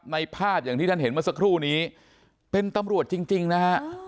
ภาพอย่างที่ท่านเห็นเมื่อสักครู่นี้เป็นตำรวจจริงจริงนะฮะ